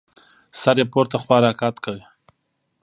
سر يې پورته خوا راقات کړ.